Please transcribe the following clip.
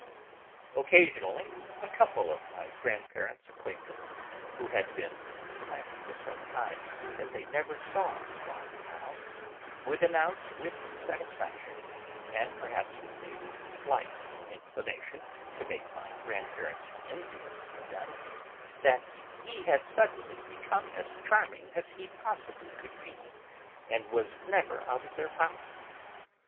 Occasionally a couple of my grandparents' acquaintance, who had been complaining for some time that they never saw Swann now, would announce with satisfaction, and perhaps with a slight inclination to make my grandparents envious of them, that he had suddenly become as charming as he could possibly be, and was never out of their house.